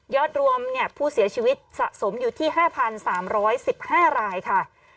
รวมผู้เสียชีวิตสะสมอยู่ที่๕๓๑๕รายค่ะ